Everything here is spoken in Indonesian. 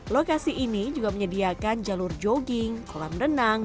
lokasi ini juga menyediakan jalur jogging kolam renang